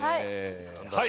はい！